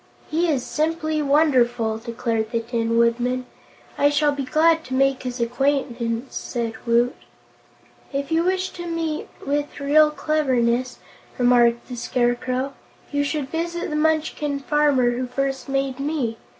"He is simply wonderful," declared the Tin Woodman. "I shall be glad to make his acquaintance," said Woot. "If you wish to meet with real cleverness," remarked the Scarecrow, "you should visit the Munchkin farmer who first made me.